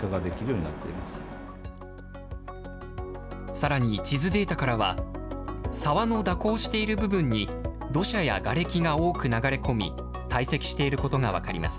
さらに地図データからは、沢の蛇行している部分に土砂やがれきが多く流れ込み、堆積していることが分かります。